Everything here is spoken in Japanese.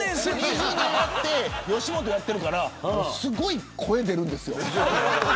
２０年やってて、吉本やからすごい声出るんですよ。